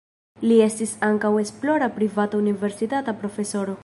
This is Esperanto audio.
Li estis ankaŭ esplora privata universitata profesoro.